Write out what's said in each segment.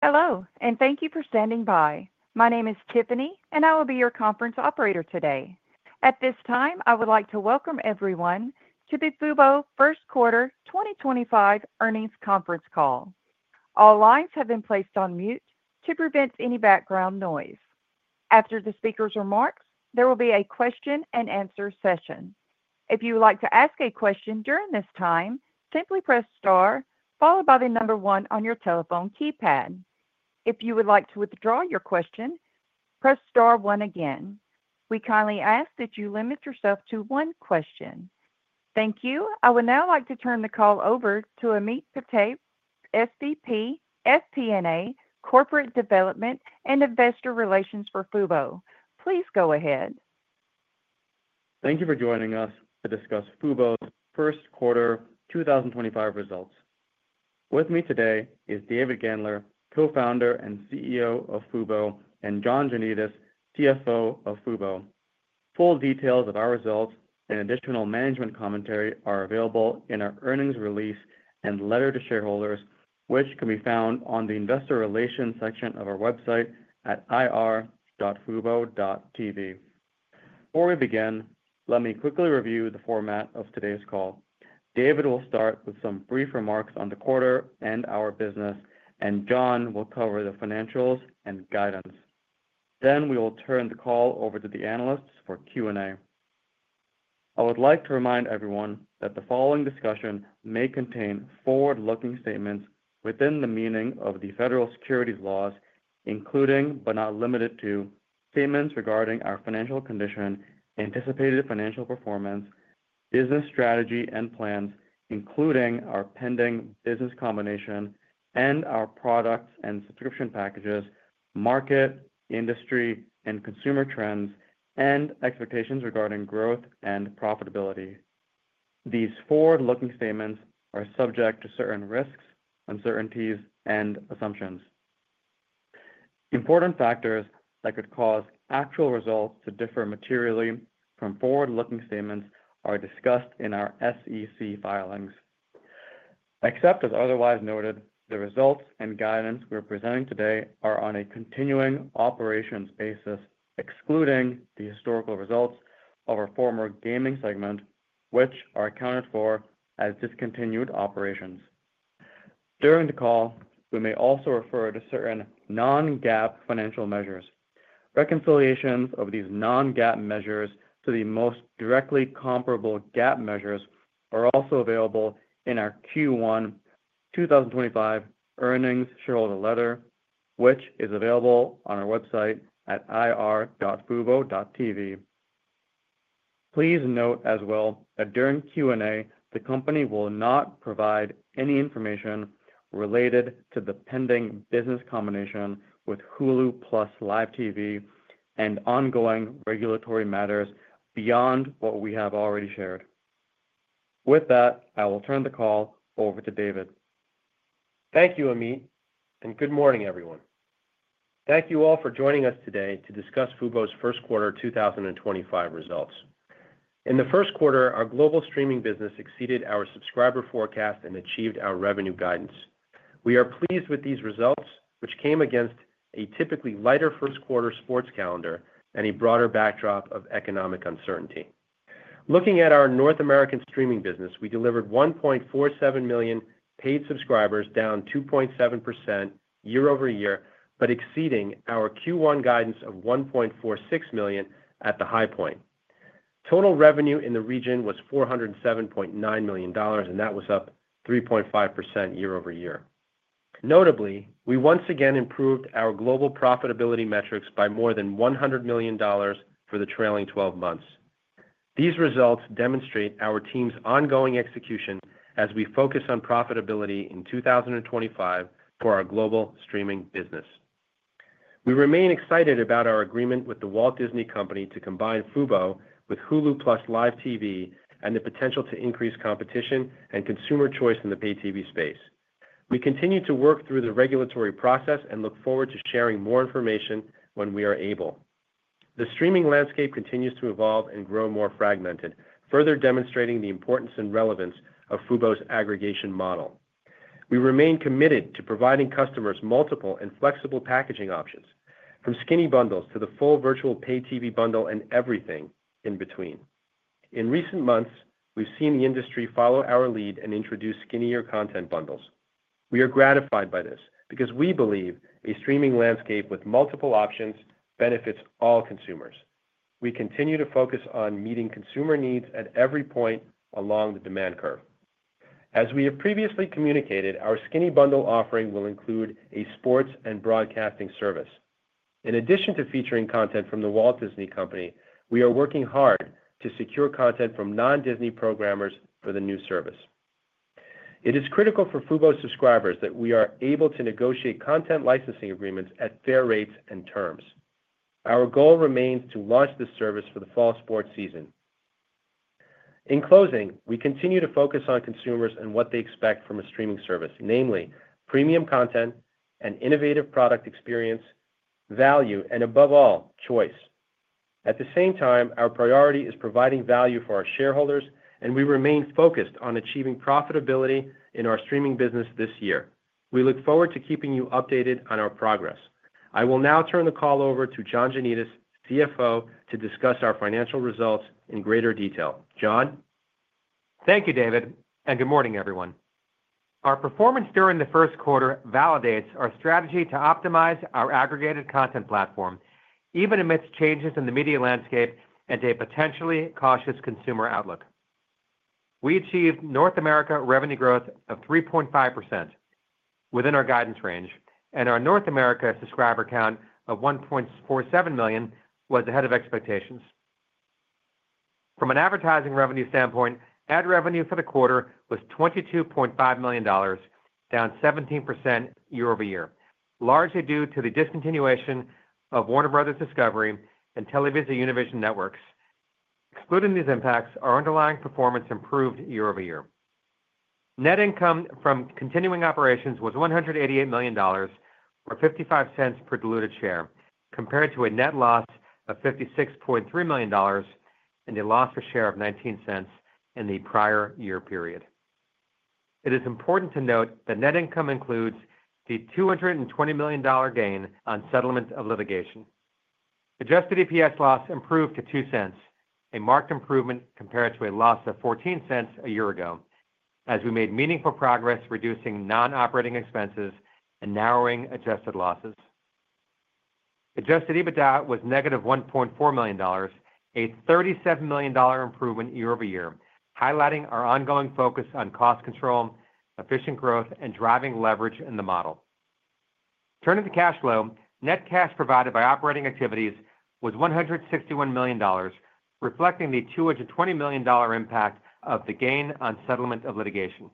Hello, and thank you for standing by. My name is Tiffany, and I will be your conference operator today. At this time, I would like to welcome everyone to the Fubo First Quarter 2025 Earnings Conference Call. All lines have been placed on mute to prevent any background noise. After the speaker's remarks, there will be a question and answer session. If you would like to ask a question during this time, simply press star, followed by the number one on your telephone keypad. If you would like to withdraw your question, press star one again. We kindly ask that you limit yourself to one question. Thank you. I would now like to turn the call over to Ameet Padte, SVP, FP&A, Corporate Development and Investor Relations for Fubo. Please go ahead. Thank you for joining us to discuss Fubo's First Quarter 2025 Results. With me today is David Gandler, co-founder and CEO of Fubo, and John Janedis, CFO of Fubo. Full details of our results and additional management commentary are available in our earnings release and letter to shareholders, which can be found on the investor relations section of our website at ir.fubo.tv. Before we begin, let me quickly review the format of today's call. David will start with some brief remarks on the quarter and our business, and John will cover the financials and guidance. We will turn the call over to the analysts for Q&A. I would like to remind everyone that the following discussion may contain forward-looking statements within the meaning of the federal securities laws, including but not limited to statements regarding our financial condition, anticipated financial performance, business strategy and plans, including our pending business combination, and our products and subscription packages, market, industry, and consumer trends, and expectations regarding growth and profitability. These forward-looking statements are subject to certain risks, uncertainties, and assumptions. Important factors that could cause actual results to differ materially from forward-looking statements are discussed in our SEC filings. Except as otherwise noted, the results and guidance we are presenting today are on a continuing operations basis, excluding the historical results of our former gaming segment, which are accounted for as discontinued operations. During the call, we may also refer to certain non-GAAP financial measures. Reconciliations of these non-GAAP measures to the most directly comparable GAAP measures are also available in our Q1 2025 earnings shareholder letter, which is available on our website at ir.fubo.tv. Please note as well that during Q&A, the company will not provide any information related to the pending business combination with Hulu + Live TV and ongoing regulatory matters beyond what we have already shared. With that, I will turn the call over to David. Thank you, Ameet, and good morning, everyone. Thank you all for joining us today to discuss Fubo's First Quarter Results. In the first quarter, our global streaming business exceeded our subscriber forecast and achieved our revenue guidance. We are pleased with these results, which came against a typically lighter first quarter sports calendar and a broader backdrop of economic uncertainty. Looking at our North American streaming business, we delivered 1.47 million paid subscribers, down 2.7% year-over-year, but exceeding our Q1 guidance of 1.46 million at the high point. Total revenue in the region was $407.9 million, and that was up 3.5% year-over-year. Notably, we once again improved our global profitability metrics by more than $100 million for the trailing 12 months. These results demonstrate our team's ongoing execution as we focus on profitability in 2025 for our global streaming business. We remain excited about our agreement with the Walt Disney Company to combine Fubo with Hulu + Live TV and the potential to increase competition and consumer choice in the pay TV space. We continue to work through the regulatory process and look forward to sharing more information when we are able. The streaming landscape continues to evolve and grow more fragmented, further demonstrating the importance and relevance of Fubo's aggregation model. We remain committed to providing customers multiple and flexible packaging options, from skinny bundles to the full virtual pay TV bundle and everything in between. In recent months, we've seen the industry follow our lead and introduce skinnier content bundles. We are gratified by this because we believe a streaming landscape with multiple options benefits all consumers. We continue to focus on meeting consumer needs at every point along the demand curve. As we have previously communicated, our skinny bundle offering will include a sports and broadcasting service. In addition to featuring content from the Walt Disney Company, we are working hard to secure content from non-Disney programmers for the new service. It is critical for Fubo subscribers that we are able to negotiate content licensing agreements at fair rates and terms. Our goal remains to launch this service for the fall sports season. In closing, we continue to focus on consumers and what they expect from a streaming service, namely premium content and innovative product experience, value, and above all, choice. At the same time, our priority is providing value for our shareholders, and we remain focused on achieving profitability in our streaming business this year. We look forward to keeping you updated on our progress. I will now turn the call over to John Janedis, CFO, to discuss our financial results in greater detail. John. Thank you, David, and good morning, everyone. Our performance during the first quarter validates our strategy to optimize our aggregated content platform, even amidst changes in the media landscape and a potentially cautious consumer outlook. We achieved North America revenue growth of 3.5% within our guidance range, and our North America subscriber count of 1.47 million was ahead of expectations. From an advertising revenue standpoint, ad revenue for the quarter was $22.5 million, down 17% year-over-year, largely due to the discontinuation of Warner Bros. Discovery and Televisa Univision Networks. Excluding these impacts, our underlying performance improved year-over-year. Net income from continuing operations was $188 million, or $0.55 per diluted share, compared to a net loss of $56.3 million and a loss per share of $0.19 in the prior year period. It is important to note that net income includes the $220 million gain on settlement of litigation. Adjusted EPS loss improved to $0.02, a marked improvement compared to a loss of $0.14 a year ago, as we made meaningful progress reducing non-operating expenses and narrowing adjusted losses. Adjusted EBITDA was -$1.4 million, a $37 million improvement year-over-year, highlighting our ongoing focus on cost control, efficient growth, and driving leverage in the model. Turning to cash flow, net cash provided by operating activities was $151 million, reflecting the $220 million impact of the gain on settlement of litigation.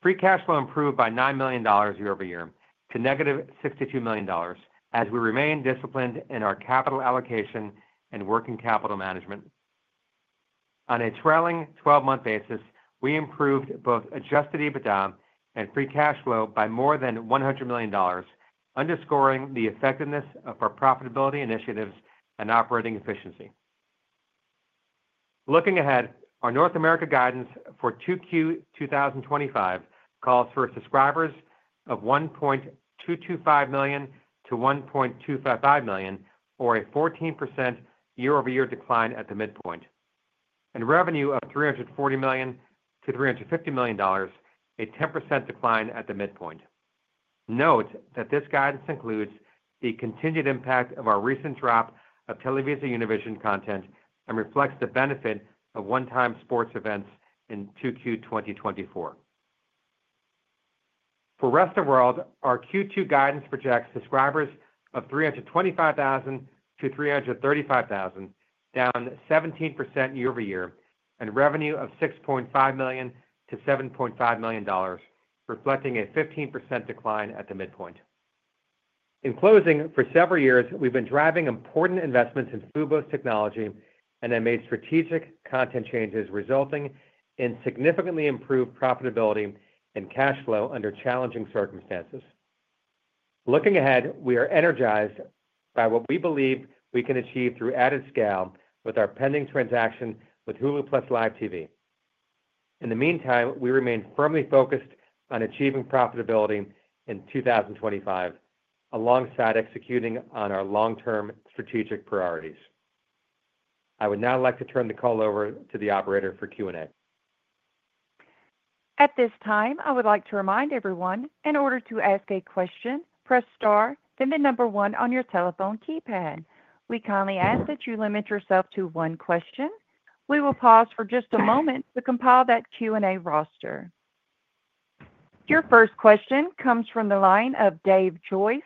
Free cash flow improved by $9 million year-over-year to -$62 million, as we remain disciplined in our capital allocation and working capital management. On a trailing 12-month basis, we improved both adjusted EBITDA and free cash flow by more than $100 million, underscoring the effectiveness of our profitability initiatives and operating efficiency. Looking ahead, our North America guidance for Q2 2025 calls for subscribers of 1.225 million-1.255 million, or a 14% year-over-year decline at the midpoint, and revenue of $340 million-$350 million, a 10% decline at the midpoint. Note that this guidance includes the continued impact of our recent drop of Televisa Univision content and reflects the benefit of one-time sports events in Q2 2024. For the rest of the world, our Q2 guidance projects subscribers of 325,000-335,000, down 17% year-over-year, and revenue of $6.5 million-$7.5 million, reflecting a 15% decline at the midpoint. In closing, for several years, we've been driving important investments in Fubo's technology and have made strategic content changes, resulting in significantly improved profitability and cash flow under challenging circumstances. Looking ahead, we are energized by what we believe we can achieve through added scale with our pending transaction with Hulu + Live TV. In the meantime, we remain firmly focused on achieving profitability in 2025, alongside executing on our long-term strategic priorities. I would now like to turn the call over to the operator for Q&A. At this time, I would like to remind everyone, in order to ask a question, press star, then the number one on your telephone keypad. We kindly ask that you limit yourself to one question. We will pause for just a moment to compile that Q&A roster. Your first question comes from the line of Dave Joyce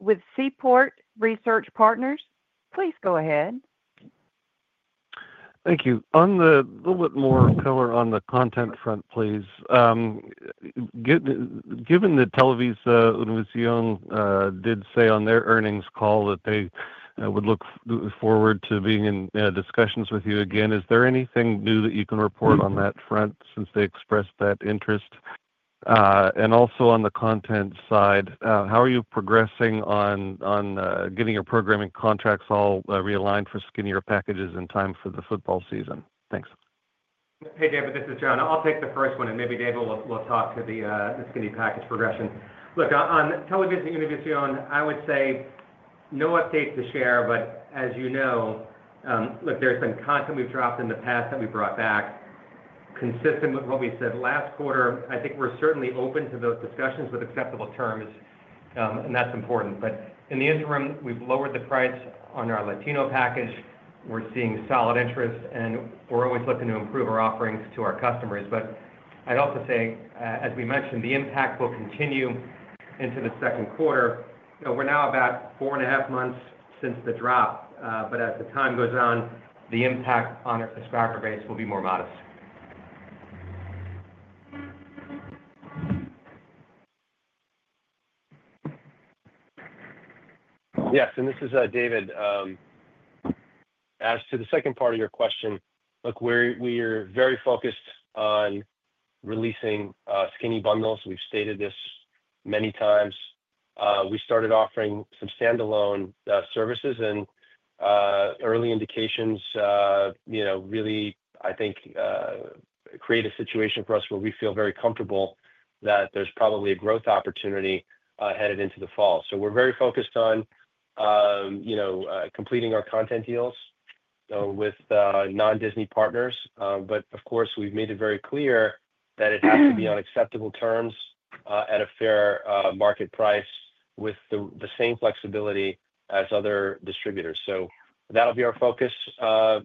with Seaport Research Partners. Please go ahead. Thank you. On the little bit more color on the content front, please. Given that Televisa Univision did say on their earnings call that they would look forward to being in discussions with you again, is there anything new that you can report on that front since they expressed that interest? Also on the content side, how are you progressing on getting your programming contracts all realigned for skinnier packages in time for the football season? Thanks. Hey, Dave, this is John. I'll take the first one, and maybe David will talk to the skinny package progression. Look, on Televisa Univision, I would say no updates to share, but as you know, look, there's been content we've dropped in the past that we brought back, consistent with what we said last quarter. I think we're certainly open to those discussions with acceptable terms, and that's important. In the interim, we've lowered the price on our Latino package. We're seeing solid interest, and we're always looking to improve our offerings to our customers. I'd also say, as we mentioned, the impact will continue into the second quarter. We're now about four and a half months since the drop, but as the time goes on, the impact on our subscriber base will be more modest. Yes, and this is David. As to the second part of your question, look, we are very focused on releasing skinny bundles. We've stated this many times. We started offering some standalone services, and early indications really, I think, create a situation for us where we feel very comfortable that there's probably a growth opportunity headed into the fall. We are very focused on completing our content deals with non-Disney partners. Of course, we've made it very clear that it has to be on acceptable terms at a fair market price with the same flexibility as other distributors. That will be our focus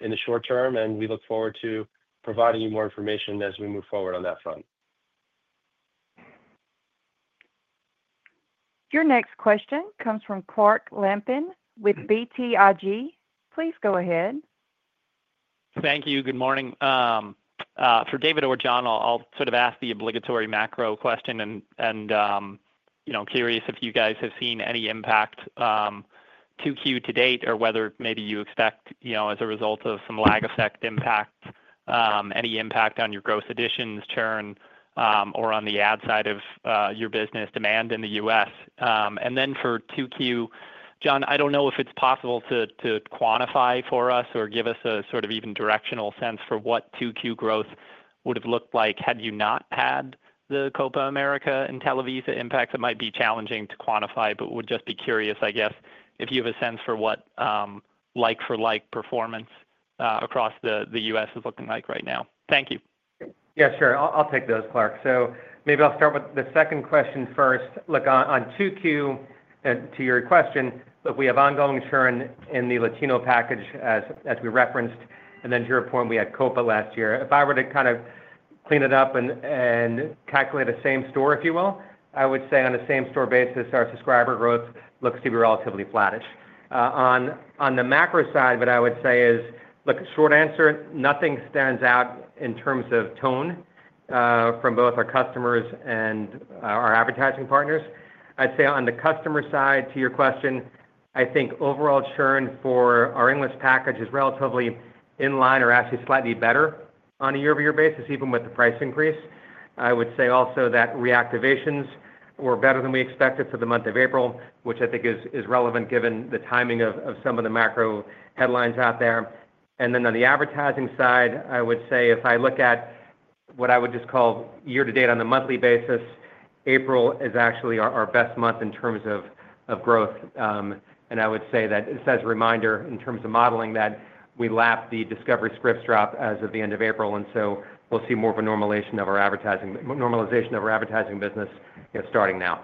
in the short term, and we look forward to providing you more information as we move forward on that front. Your next question comes from Clark Lampen with BTIG. Please go ahead. Thank you. Good morning. For David or John, I'll sort of ask the obligatory macro question and curious if you guys have seen any impact to Q2 to date or whether maybe you expect, as a result of some lag effect impact, any impact on your gross additions churn or on the ad side of your business demand in the U.S. For Q2, John, I don't know if it's possible to quantify for us or give us a sort of even directional sense for what Q2 growth would have looked like had you not had the Copa America and Televisa impacts. It might be challenging to quantify, but would just be curious, I guess, if you have a sense for what like-for-like performance across the U.S. is looking like right now. Thank you. Yeah, sure. I'll take those, Clark. Maybe I'll start with the second question first. Look, on Q2, to your question, we have ongoing churn in the Latino package, as we referenced, and then to your point, we had Copa last year. If I were to kind of clean it up and calculate the same store, if you will, I would say on a same-store basis, our subscriber growth looks to be relatively flattish. On the macro side, what I would say is, short answer, nothing stands out in terms of tone from both our customers and our advertising partners. I'd say on the customer side, to your question, I think overall churn for our English package is relatively in line or actually slightly better on a year-over-year basis, even with the price increase. I would say also that reactivations were better than we expected for the month of April, which I think is relevant given the timing of some of the macro headlines out there. On the advertising side, I would say if I look at what I would just call year-to-date on the monthly basis, April is actually our best month in terms of growth. I would say that it's as a reminder in terms of modeling that we lapped the Discovery Scripts drop as of the end of April, and so we'll see more of a normalization of our advertising business starting now.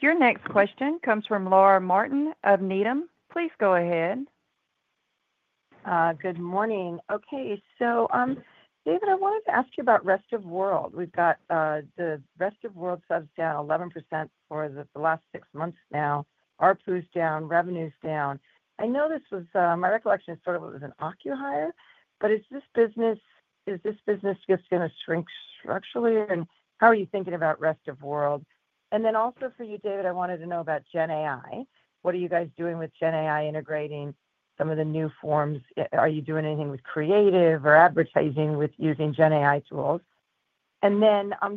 Your next question comes from Laura Martin of Needham. Please go ahead. Good morning. Okay. David, I wanted to ask you about rest of world. We've got the rest of world subs down 11% for the last six months now. RPU's down, revenue's down. I know this was, my recollection is sort of it was an acquihire, but is this business just going to shrink structurally? How are you thinking about rest of world? Also for you, David, I wanted to know about GenAI. What are you guys doing with GenAI integrating some of the new forms? Are you doing anything with creative or advertising with using GenAI tools?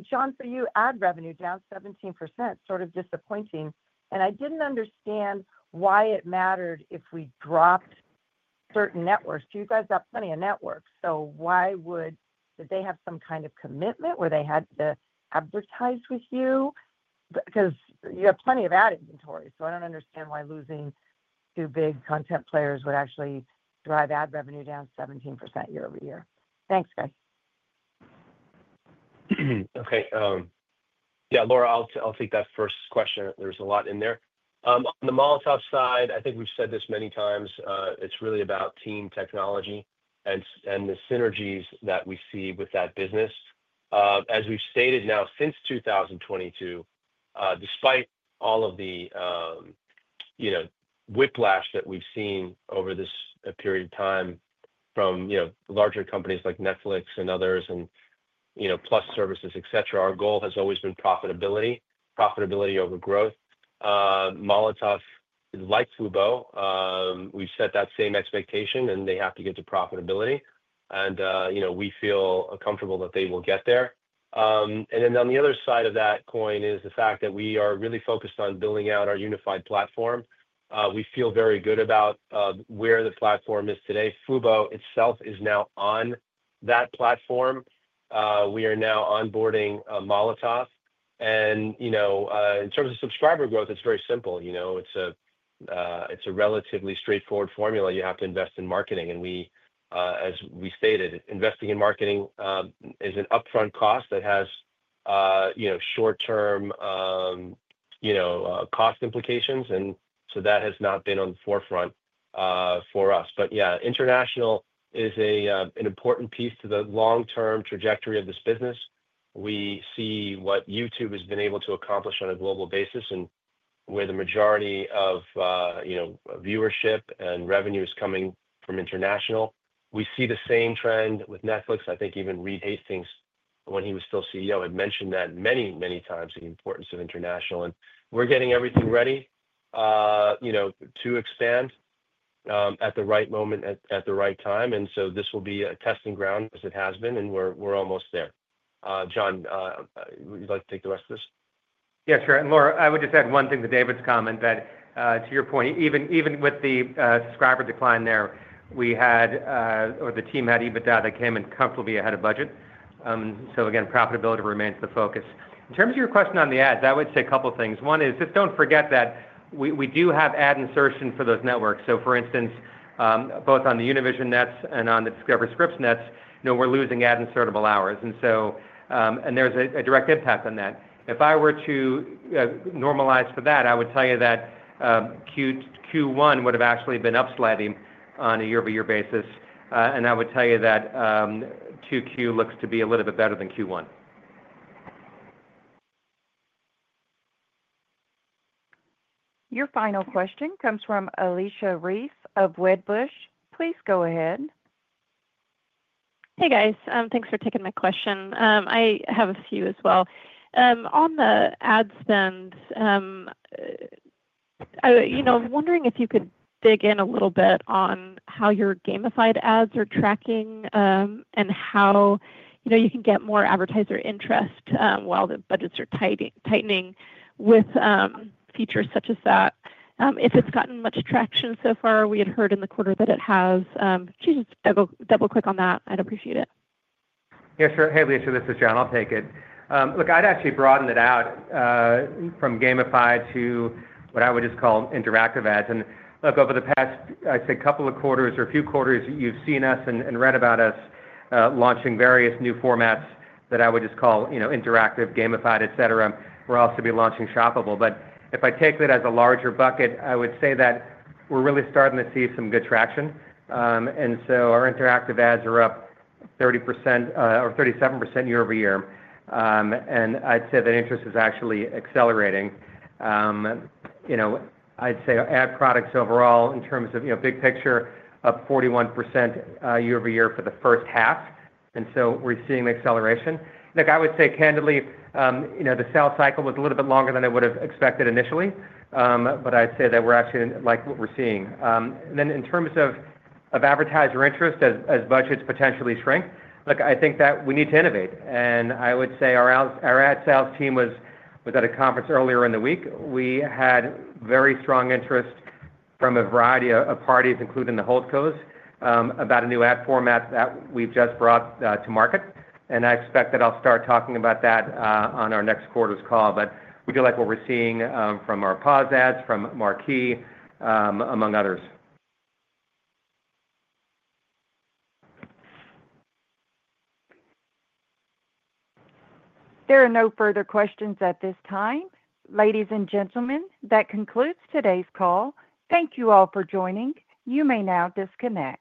John, for you, ad revenue down 17%, sort of disappointing. I didn't understand why it mattered if we dropped certain networks. You guys got plenty of networks, so why would they have some kind of commitment where they had to advertise with you? Because you have plenty of ad inventory, I don't understand why losing two big content players would actually drive ad revenue down 17% year-over-year. Thanks, guys. Okay. Yeah, Laura, I'll take that first question. There's a lot in there. On the Molotov side, I think we've said this many times, it's really about team, technology, and the synergies that we see with that business. As we've stated now, since 2022, despite all of the whiplash that we've seen over this period of time from larger companies like Netflix and others and Plus services, etc., our goal has always been profitability, profitability over growth. Molotov, like Fubo, we've set that same expectation, and they have to get to profitability. We feel comfortable that they will get there. On the other side of that coin is the fact that we are really focused on building out our unified platform. We feel very good about where the platform is today. Fubo itself is now on that platform. We are now onboarding Molotov. In terms of subscriber growth, it's very simple. It's a relatively straightforward formula. You have to invest in marketing. As we stated, investing in marketing is an upfront cost that has short-term cost implications, and that has not been on the forefront for us. Yeah, international is an important piece to the long-term trajectory of this business. We see what YouTube has been able to accomplish on a global basis and where the majority of viewership and revenue is coming from international. We see the same trend with Netflix. I think even Reed Hastings, when he was still CEO, had mentioned that many, many times, the importance of international. We're getting everything ready to expand at the right moment at the right time. This will be a testing ground, as it has been, and we're almost there. John, would you like to take the rest of this? Yeah, sure. Laura, I would just add one thing to David's comment that, to your point, even with the subscriber decline there, we had, or the team had, EBITDA that came in comfortably ahead of budget. Profitability remains the focus. In terms of your question on the ads, I would say a couple of things. One is just do not forget that we do have ad insertion for those networks. For instance, both on the Univision Nets and on the Discovery Scripts Nets, we are losing ad insertable hours. There is a direct impact on that. If I were to normalize for that, I would tell you that Q1 would have actually been upsliding on a year-over-year basis. I would tell you that Q2 looks to be a little bit better than Q1. Your final question comes from Alicia Reese of Wedbush. Please go ahead. Hey, guys. Thanks for taking my question. I have a few as well. On the ad spend, I'm wondering if you could dig in a little bit on how your gamified ads are tracking and how you can get more advertiser interest while the budgets are tightening with features such as that. If it's gotten much traction so far, we had heard in the quarter that it has. Do you just double-click on that? I'd appreciate it. Yeah, sure. Hey, Alicia, this is John. I'll take it. Look, I'd actually broaden it out from gamified to what I would just call interactive ads. Look, over the past, I'd say, couple of quarters or a few quarters, you've seen us and read about us launching various new formats that I would just call interactive, gamified, etc. We're also going to be launching shoppable. If I take that as a larger bucket, I would say that we're really starting to see some good traction. Our interactive ads are up 30% or 37% year-over-year. I'd say that interest is actually accelerating. I'd say ad products overall, in terms of big picture, up 41% year-over-year for the first half. We're seeing the acceleration. Look, I would say candidly, the sales cycle was a little bit longer than I would have expected initially, but I'd say that we actually like what we're seeing. In terms of advertiser interest, as budgets potentially shrink, look, I think that we need to innovate. I would say our ad sales team was at a conference earlier in the week. We had very strong interest from a variety of parties, including the Holdcos, about a new ad format that we've just brought to market. I expect that I'll start talking about that on our next quarter's call. We do like what we're seeing from our POS ads, from Marquee, among others. There are no further questions at this time. Ladies and gentlemen, that concludes today's call. Thank you all for joining. You may now disconnect.